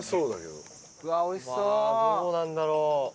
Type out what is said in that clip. どうなんだろう？